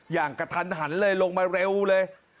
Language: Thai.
อย่างกระทันหันเลยลงมาเร็วเลย